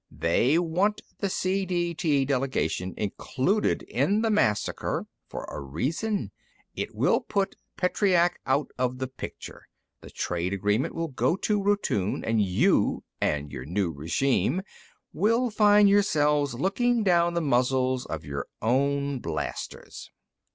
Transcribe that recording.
They want the CDT delegation included in the massacre for a reason. It will put Petreac out of the picture; the trade agreement will go to Rotune; and you and your new regime will find yourselves looking down the muzzles of your own blasters."